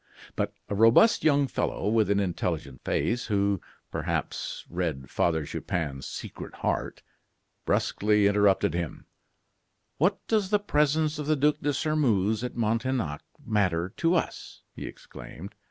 But a robust young fellow, with an intelligent face, who, perhaps, read Father Chupin's secret heart, brusquely interrupted him: "What does the presence of the Duc de Sairmeuse at Montaignac matter to us?" he exclaimed.